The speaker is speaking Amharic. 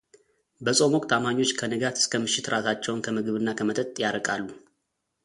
በጾም ወቅት አማኞች ከንጋት እስከ ምሽት ራሳቸውን ከምግብ እና ከመጠጥ ያርቃሉ።